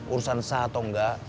urusan sah atau enggak